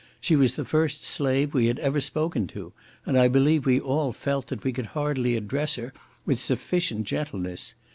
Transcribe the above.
She was the first slave we had ever spoken to, and I believe we all felt that we could hardly address her with sufficient gentleness.